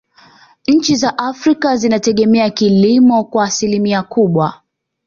nchi za afrika zinategemea kilimo kwa asilimia kubwa